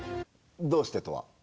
「どうして？」とは？